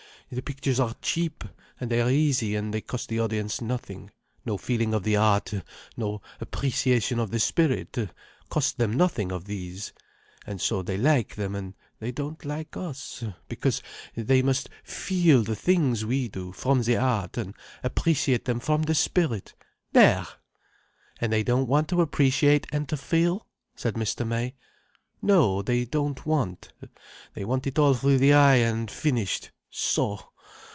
The pictures are cheap, and they are easy, and they cost the audience nothing, no feeling of the heart, no appreciation of the spirit, cost them nothing of these. And so they like them, and they don't like us, because they must feel the things we do, from the heart, and appreciate them from the spirit. There!" "And they don't want to appreciate and to feel?" said Mr. May. "No. They don't want. They want it all through the eye, and finished—so!